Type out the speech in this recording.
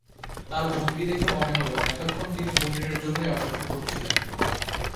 তাঁর ভঙ্গি দেখে মনে হল এতক্ষণ তিনি মুনিরের জন্যেই অপেক্ষা করছিলেন।